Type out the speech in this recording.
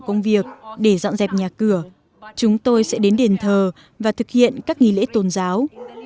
khi chúng tôi gác lại mọi công việc để dọn dẹp nhà cửa chúng tôi sẽ đến đền thờ và thực hiện các nghỉ lễ tôn giáo